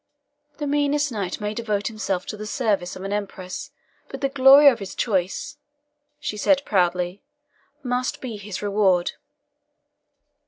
The meanest knight may devote himself to the service of an empress, but the glory of his choice," she said proudly, "must be his reward."